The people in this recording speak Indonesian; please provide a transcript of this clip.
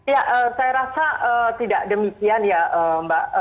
ya saya rasa tidak demikian ya mbak